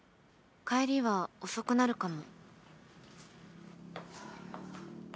「帰りは遅くなるかも」